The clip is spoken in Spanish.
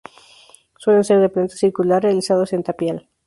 Suelen ser de planta circular realizados en tapial.